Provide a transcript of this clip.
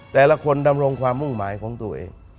แต่ละคนดำรงความมุ่งหมายของตัวเอง